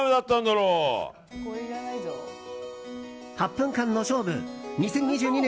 ８分間の勝負、２０２２年